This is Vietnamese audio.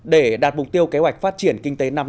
để đạt mục tiêu kế hoạch phát triển kinh tế năm năm